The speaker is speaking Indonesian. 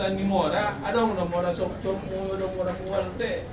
atau mada nanggur ada yang mura sop sop mura mura mura mura mura mura